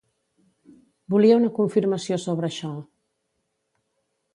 Volia una confirmació sobre això.